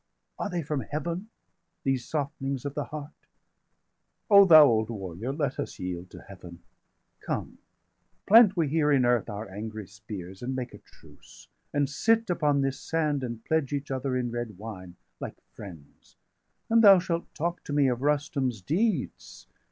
Are they from Heaven, these softenings of the heart? O thou old warrior, let us yield to Heaven! Come, plant we here in earth our angry spears, And make a truce, and sit upon this sand, 440 And pledge each other in red wine, like friends, And thou shalt talk to me of Rustum's deeds.